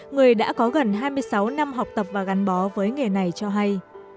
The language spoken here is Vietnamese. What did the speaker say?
người đã có gần hai mươi sáu năm học tập và gắn bó với nghề này cho hay